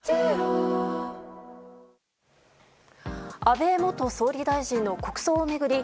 安倍元総理大臣の国葬を巡り